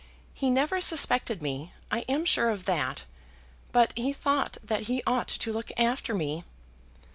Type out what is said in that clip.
"He never suspected me, I am sure of that; but he thought that he ought to look after me."